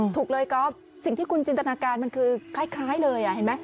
อ้อถูกเลยก็สิ่งที่กลุ่นจินตนาการมันคือไคล่เลยอ่ะเห็นไหม